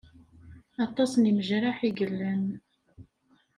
Aṭas n imejraḥ i yellan.